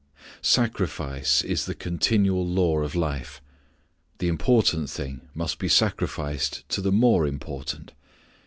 Sacrifice is the continual law of life. The important thing must be sacrificed to the more important.